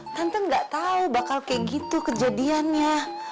tante gak tau bakal kayak gitu kejadiannya